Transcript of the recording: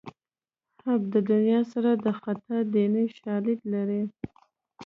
حب د دنیا سر د خطا دیني شالید لري